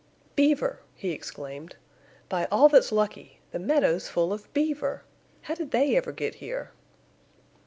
"Beaver!" he exclaimed. "By all that's lucky! The meadow's full of beaver! How did they ever get here?"